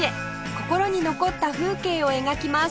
心に残った風景を描きます